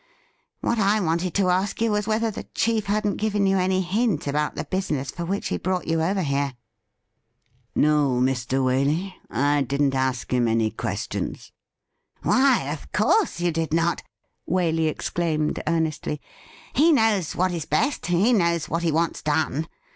'iVhat I wanted to ask was whether the chief hadn't given you any hint about the business for which he brought you over here.' 240 THE RIDDLE RING ' No, Mr. Waley ; I didn't ask him any questions.' ' Why, of course you did not,' Waley exclaimed earnestly. ' He knows what is best ; he knows what he wants done.